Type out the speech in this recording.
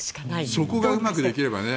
そこがうまくできればね。